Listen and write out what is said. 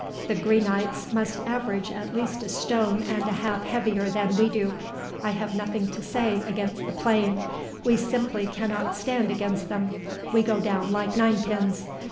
The Greenites must average at least a stone and a half heavier than we do. I have nothing to say against the playing. We simply cannot stand against them; we go down like nine pins.